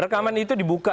rekaman itu dibuka